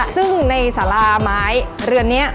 ซึ่งในสาราไม้เรือนนี้